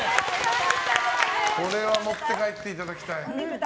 これは持って帰っていただきたい。